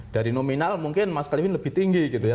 dari nominal mungkin maskalimin lebih tinggi gitu ya